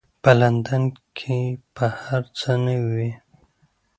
په لندن کې به هر څه نوي وي.